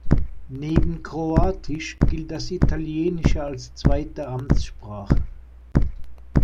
Neben Kroatisch gilt das Italienische als zweite Amtssprache.